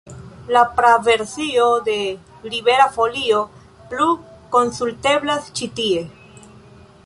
La praversio de Libera Folio plu konsulteblas ĉi tie.